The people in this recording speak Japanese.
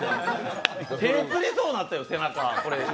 手、つりそうになったよ。